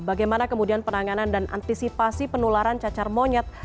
bagaimana kemudian penanganan dan antisipasi penularan cacar monyet